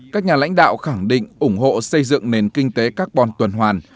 các nhà lãnh đạo khẳng định ủng hộ xây dựng nền kinh tế carbon tuần hoàn